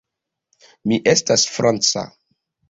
Mi estas franca.